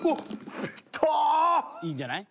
［いいんじゃない？］